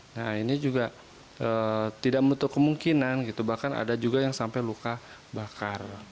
nah ini juga tidak menutup kemungkinan gitu bahkan ada juga yang sampai luka bakar